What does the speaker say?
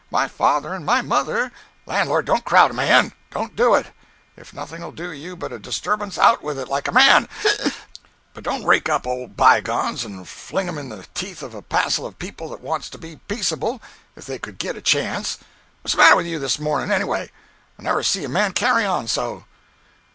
My father and my mother—" "Lan'lord, don't crowd a man! Don't do it. If nothing'll do you but a disturbance, out with it like a man ('ic)—but don't rake up old bygones and fling'em in the teeth of a passel of people that wants to be peaceable if they could git a chance. What's the matter with you this mornin', anyway? I never see a man carry on so."